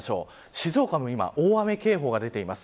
静岡も今大雨警報が出ています。